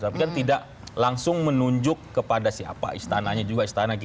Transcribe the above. tapi kan tidak langsung menunjuk kepada siapa istananya juga istana